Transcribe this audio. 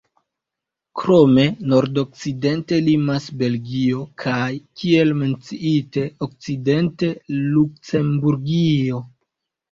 Krome nordokcidente limas Belgio, kaj, kiel menciite, okcidente Luksemburgio.